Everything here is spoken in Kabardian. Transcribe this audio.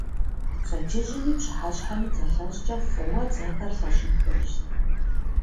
Пщэдджыжьми пщыхьэщхьэми дзэлъэщӀкӀэ фӀыуэ дзэхэр лъэщӀын хуейщ.